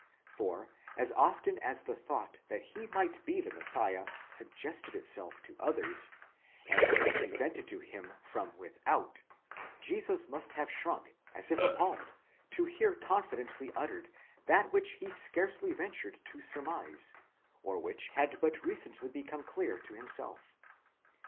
For as often as the thought that he might be the Messiah suggested itself to others, and was presented to him from without, Jesus must have shrunk, as if appalled, to hear confidently uttered that which he scarcely ventured to surmise, or which had but recently become clear to himself.